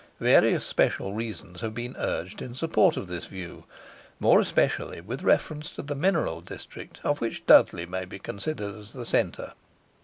Various special reasons have been urged in support of this view, more especially with reference to the mineral district of which Dudley may be considered as the centre.